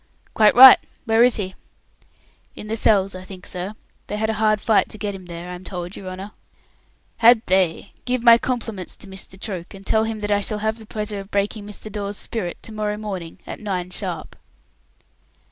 "Quite right. Where is he?" "In the cells, I think, sir. They had a hard fight to get him there, I am told, your honour." "Had they? Give my compliments to Mr. Troke, and tell him that I shall have the pleasure of breaking Mr. Dawes's spirit to morrow morning at nine sharp."